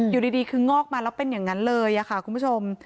อยู่ดีคืองอกมาแล้วเป็นอย่างนั้นเลยค่ะคุณผู้ชม